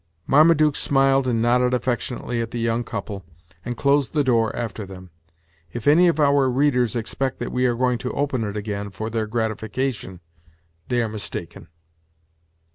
Marmaduke smiled and nodded affectionately at the young couple, and closed the door after them. If any of our readers expect that we are going to open it again, for their gratification, they are mistaken.